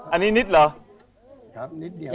อันนี้นิดเหรอ